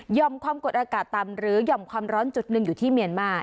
ความกดอากาศต่ำหรือห่อมความร้อนจุดหนึ่งอยู่ที่เมียนมา